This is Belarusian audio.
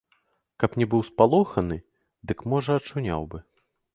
Каб не быў спалоханы, дык можа ачуняў бы.